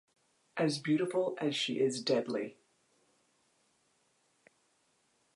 As beautiful as she is deadly.